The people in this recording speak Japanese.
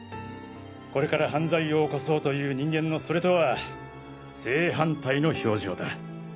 これから犯罪を犯そうという人間のそれとは正反対の表情だ。